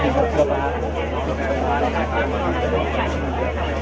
เมืองอัศวินธรรมดาคือสถานที่สุดท้ายของเมืองอัศวินธรรมดา